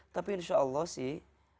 tapi insya allah sih